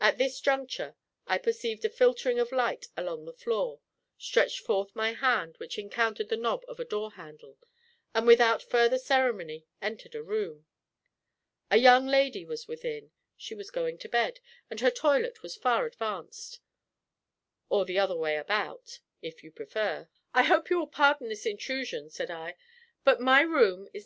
At this juncture I perceived a filtering of light along the floor, stretched forth my hand which encountered the knob of a door handle, and without further ceremony entered a room. A young lady was within; she was going to bed, and her toilet was far advanced, or the other way about, if you prefer. "I hope you will pardon this intrusion," said I; "but my room is No.